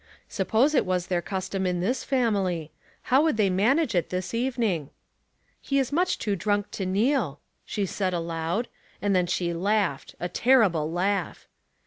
Suppose it was their custom in this family, — how would they manage it this evening? "He is much too drunk to kneel," she said, aloud, and then she laughed — a terrible laugh.